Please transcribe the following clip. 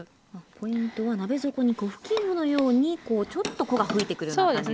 ポイントは鍋底に粉ふきいものようにちょっと粉がふいてくるような感じですね。